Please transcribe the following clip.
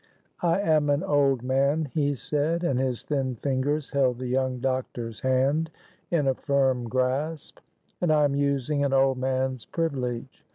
"I am an old man," he said, and his thin fingers held the young doctor's hand in a firm grasp, "and I am using an old man's privilege.